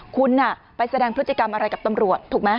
คุณไปแสดงพฤติกรรมอะไรกับตำรวจถูกไหม